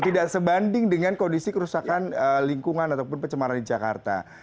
tidak sebanding dengan kondisi kerusakan lingkungan ataupun pencemaran di jakarta